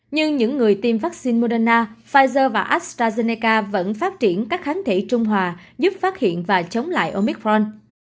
nhưng những người tiêm vaccine moderna pfizer và astrazeneca vẫn phát triển các kháng thể trung hòa giúp phát hiện và chống lại ở micron